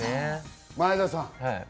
前田さん。